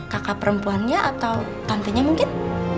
kakak perempuannya atau tantenya mungkin